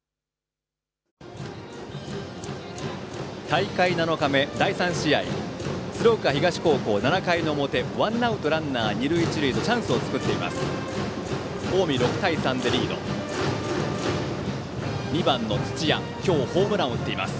大会７日目、第３試合鶴岡東高校、７回の表ワンアウトランナー、二塁一塁とチャンスを作っています。